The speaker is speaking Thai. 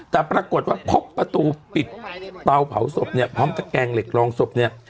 แต่ปรากฏว่าพบประตูปิดเตาเผาศพเนี่ยพร้อมตะแกงเหล็กรองศพเนี่ย